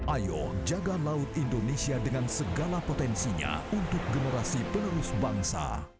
ayo jaga laut indonesia dengan segala potensinya untuk generasi penerus bangsa